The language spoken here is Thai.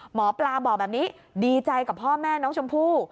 หมอปลาบอกแบบนี้ดีใจกับพ่อแม่น้องชมพู่